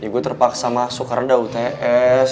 ibu terpaksa masuk karena ada uts